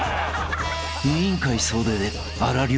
［『委員会』総出で荒療治］